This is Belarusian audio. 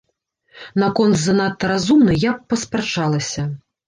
Наконт занадта разумнай я б паспрачалася.